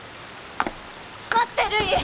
待ってるい！